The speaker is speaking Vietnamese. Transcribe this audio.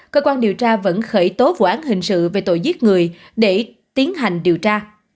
cơ quan điều tra vẫn khởi tố vụ án hình sự về tội giết người để tiến hành điều tra